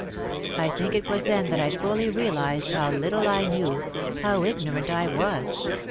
I think it was then that I fully realised how little I knew, how ignorant I was.